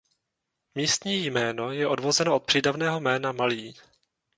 Místní jméno je odvozeno od přídavného jména malý.